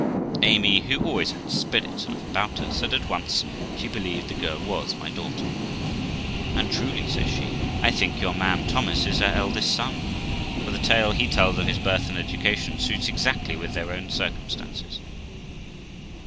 Amy, who always had spirits enough about her, said at once she be lieved the girl was my daugter. 'And truly', says she, 'I think your man Thomas is her eldest son, for the tale he tells of his birth and education suits exactly with our then circumstances.'